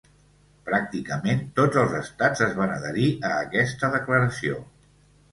Pràcticament tots els estats es van adherir a aquesta declaració.